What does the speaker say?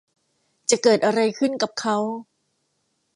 จะเกิดอะไรขึ้นกับเค้า